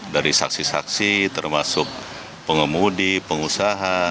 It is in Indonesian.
dari saksi saksi termasuk pengemudi pengusaha